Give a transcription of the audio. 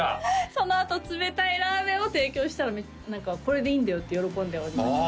そのあと冷たいラーメンを提供したら「これでいいんだよ」って喜んでおりました